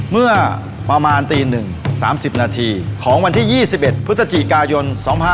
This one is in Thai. เมื่อประมาณตี๑๓๐นาทีของวันที่๒๑พฤศจิกายน๒๕๖๒